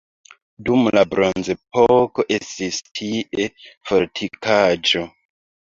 Dum la bronzepoko estis tie fortikaĵo.